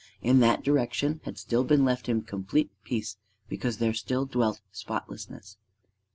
In that direction had still been left him complete peace, because there still dwelt spotlessness.